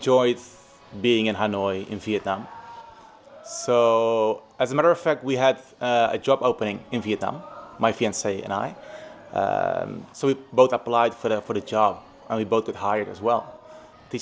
ở đà nẵng hà nội hồ chí minh nhưng không chỉ ở các thành phố khác nữa